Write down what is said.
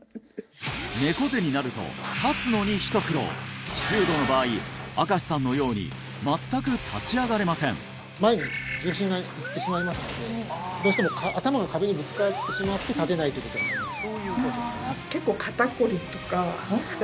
猫背になると立つのに一苦労重度の場合赤司さんのように全く立ち上がれません前に重心がいってしまいますのでどうしても頭が壁にぶつかってしまって立てないということになります